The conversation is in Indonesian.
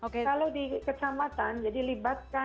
kalau di kecamatan jadi libatkan